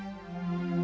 aku sudah berjalan